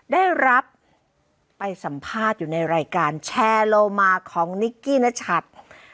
ได้รับไปสัมภาษณ์อยู่ในรายการแชร์โลมาของนิกกี้นชัด